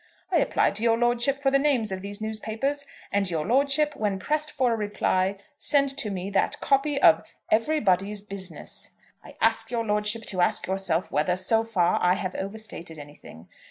I applied to your lordship for the names of these newspapers, and your lordship, when pressed for a reply, sent to me that copy of 'Everybody's Business.' "I ask your lordship to ask yourself whether, so far, I have overstated anything.